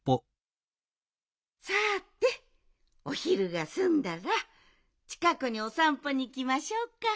さておひるがすんだらちかくにおさんぽにいきましょうか。